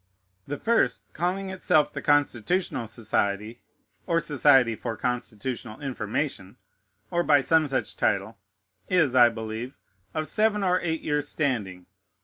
The first, calling itself the Constitutional Society, or Society for Constitutional Information, or by some such title, is, I believe, of seven or eight years' standing.